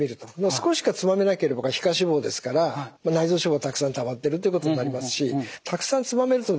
少ししかつまめなければ皮下脂肪ですから内臓脂肪がたくさんたまっているということになりますしたくさんつまめるとですね